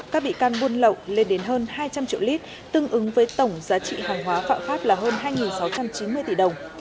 các bị can buôn lậu lên đến hơn hai trăm linh triệu lít tương ứng với tổng giá trị hàng hóa phạm pháp là hơn hai sáu trăm chín mươi tỷ đồng